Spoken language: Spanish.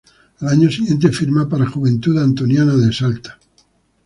Al año siguiente firma para Juventud Antoniana de Salta.